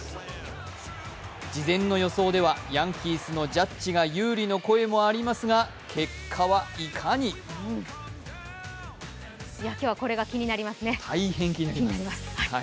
事前の予想ではヤンキースのジャッジが有利の声もありますが、結果はいかに今日はこれが気になりますね。